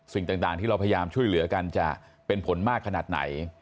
สิ่งต่างที่เราพยายามช่วยเหลือกันจะเป็นผลมากขนาดไหน